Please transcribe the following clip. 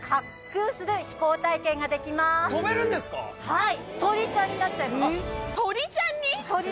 はい。